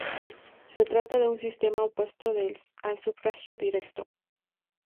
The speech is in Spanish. Se trata de un sistema opuesto al sufragio directo.